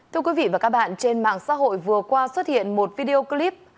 thưa quý vị và các bạn trên mạng xã hội vừa qua xuất hiện một video clip